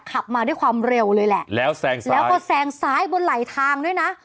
ขับมาด้วยความเร็วเลยแหละแล้วแซงซ้ายแล้วก็แซงซ้ายบนไหลทางด้วยนะ